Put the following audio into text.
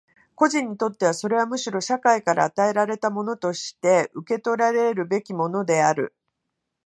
個人にとってはそれはむしろ社会から与えられたものとして受取らるべきものである。